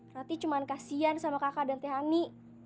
nanti cuma kasian sama kakak dan tehani